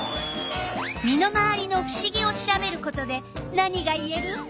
身の回りのふしぎを調べることで何がいえる？